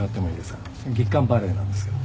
『月間バレエ』なんですけど。